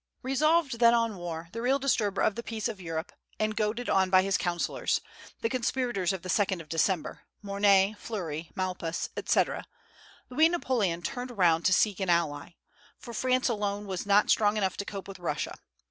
Resolved then on war, the real disturber of the peace of Europe, and goaded on by his councillors, the conspirators of the 2d of December, Morny, Fleury, Maupas, etc., Louis Napoleon turned around to seek an ally; for France alone was not strong enough to cope with Russia.